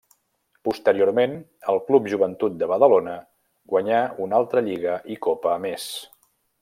Posteriorment, al Club Joventut de Badalona guanyà una altra Lliga i Copa més.